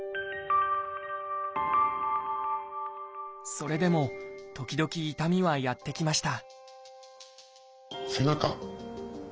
それでも時々痛みはやって来ました